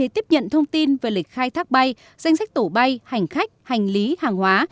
tiếp nhận thông tin về lịch khai thác bay danh sách tổ bay hành khách hành lý hàng hóa